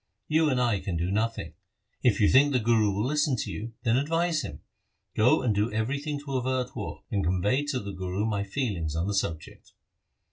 You and I can do nothing. If you think the Guru will listen to you, then advise him. Go and do everything to avert war, and convey to the Guru my feelings on the subject.'